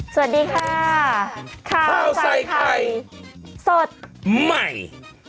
สวัสดีค่ะข้าวใส่ไข่สดใหม่